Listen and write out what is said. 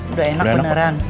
udah enak beneran